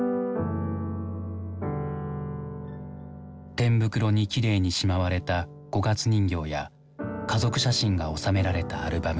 天袋にきれいにしまわれた五月人形や家族写真が収められたアルバム。